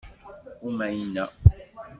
Umayna.